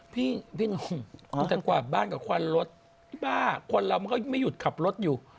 พี่นทร์ความกวาดบ้านกลับควารรถพี่บ้าคนเรามันก็ไม่หยุดขับรถอยู่